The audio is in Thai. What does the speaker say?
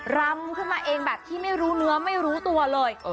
รำขึ้นมาเองแบบที่ไม่รู้เนื้อไม่รู้ตัวเลย